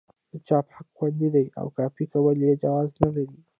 د چاپ حقوق خوندي دي او کاپي کول یې جواز نه لري.